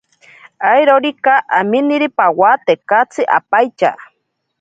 Airorika aminiri pawa tekatsi ampaitya.